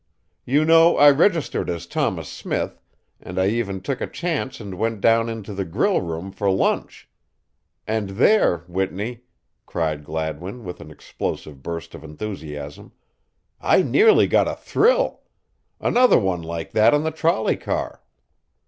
You know I registered as Thomas Smith and I even took a chance and went down into the grill room for lunch. And there, Whitney," cried Gladwin with an explosive burst of enthusiasm, "I nearly got a thrill another one like that on the trolley car.